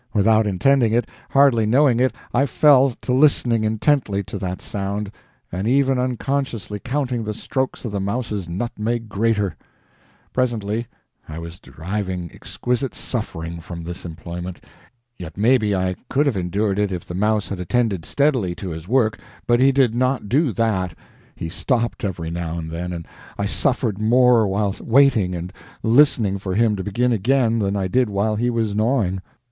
Without intending it hardly knowing it I fell to listening intently to that sound, and even unconsciously counting the strokes of the mouse's nutmeg grater. Presently I was deriving exquisite suffering from this employment, yet maybe I could have endured it if the mouse had attended steadily to his work; but he did not do that; he stopped every now and then, and I suffered more while waiting and listening for him to begin again than I did while he was gnawing.